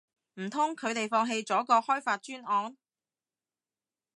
唔通佢哋放棄咗個開發專案